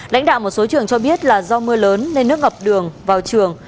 lãnh đạo một số trường cho biết là do mưa lớn nên nước ngập đường vào trường